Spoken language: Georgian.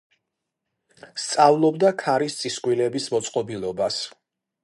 სწავლობდა ქარის წისქვილების მოწყობილობას.